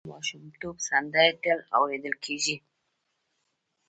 د ماشومتوب سندرې تل اورېدل کېږي.